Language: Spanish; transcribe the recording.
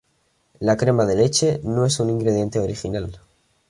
La crema de leche no es un ingrediente original.